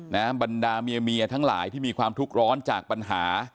บรรดาเมียเมียทั้งหลายที่มีความทุกข์ร้อนจากปัญหา